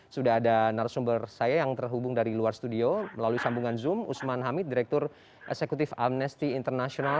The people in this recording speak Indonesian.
sudah ada narasumber saya yang terhubung dari luar studio melalui sambungan zoom usman hamid direktur eksekutif amnesty international